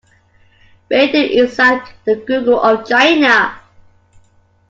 Baidu is like the Google of China.